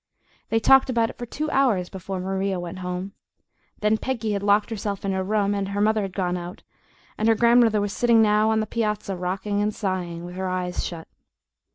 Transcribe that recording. They talked about it for two hours before Maria went home. Then Peggy had locked herself in her room, and her mother had gone out, and her grandmother was sitting now on the piazza, rocking and sighing, with her eyes shut.